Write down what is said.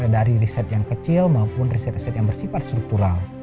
dari riset yang kecil maupun riset riset yang bersifat struktural